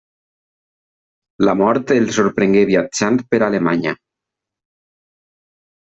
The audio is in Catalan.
La mort el sorprengué viatjant per Alemanya.